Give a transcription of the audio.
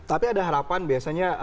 tapi ada harapan biasanya